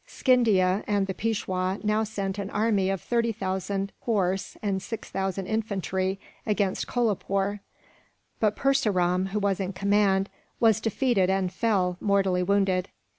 Scindia and the Peishwa now sent an army of thirty thousand horse and six thousand infantry against Kolapoore; but Purseram, who was in command, was defeated and fell, mortally wounded.